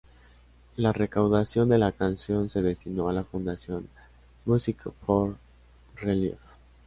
La recaudación de la canción se destinó a la fundación Music for Relief.